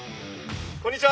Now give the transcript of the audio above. こんにちは！